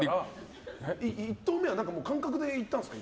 １刀目は感覚でいったんですか。